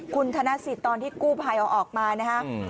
คุณธนสิทธิ์ตอนที่กู้ภัยเอาออกมานะฮะ